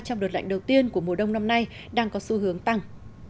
trong đợt lạnh đầu tiên của mùa đông năm nay đang có xu hướng tăng